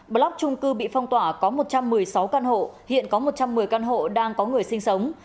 block trung cư bị phong tỏa có một trăm một mươi sáu căn hộ hiện có một trăm một mươi căn hộ đang có người sinh sống